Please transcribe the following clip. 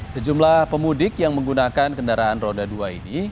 sejumlah pemudik yang menggunakan kendaraan roda dua ini